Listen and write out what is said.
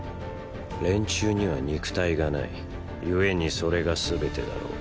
連中には肉体がないゆえにそれが全てだろう。